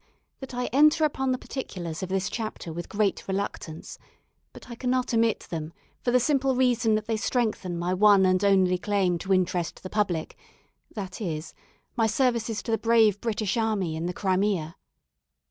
that I enter upon the particulars of this chapter with great reluctance; but I cannot omit them, for the simple reason that they strengthen my one and only claim to interest the public, viz., my services to the brave British army in the Crimea.